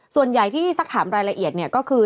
ส่วนใหญ่ที่สักถามรายละเอียดเนี่ยก็คือ